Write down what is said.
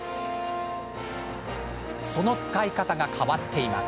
その使い方が変わっています。